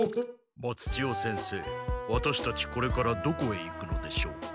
松千代先生ワタシたちこれからどこへ行くのでしょうか？